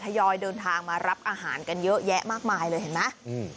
ยอยเดินทางมารับอาหารกันเยอะแยะมากมายเลยเห็นไหม